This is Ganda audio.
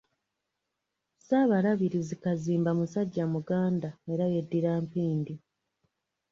Ssaabalabirizi Kazimba musajja Muganda era yeddira Mpindi.